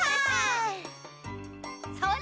それ。